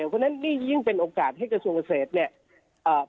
เพราะฉะนั้นนี่ยิ่งเป็นโอกาสให้กระทรวงเกษตรเนี่ย